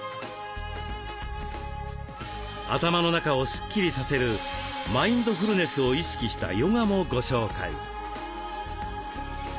頭の中をスッキリさせるマインドフルネスを意識したヨガもご紹介。